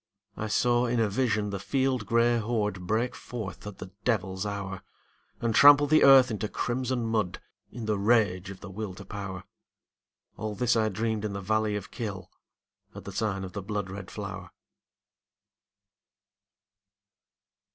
I saw in a vision the field gray horde Break forth at the devil's hour, And trample the earth into crimson mud In the rage of the Will to Power, All this I dreamed in the valley of Kyll, At the sign of the blood red flower.